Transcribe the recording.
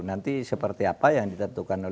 nanti seperti apa yang ditentukan oleh tim pemenangannya